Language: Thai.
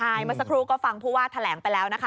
ใช่เมื่อสักครู่ก็ฟังผู้ว่าแถลงไปแล้วนะคะ